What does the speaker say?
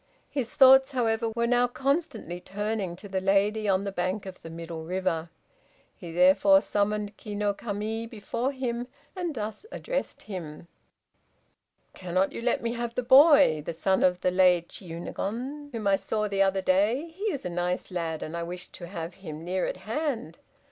His thoughts, however, were now constantly turning to the lady on the bank of the middle river. He therefore summoned Ki no Kami before him, and thus addressed him: "Cannot you let me have the boy, the son of the late Chiûnagon whom I saw the other day? He is a nice lad, and I wish to have him near at hand.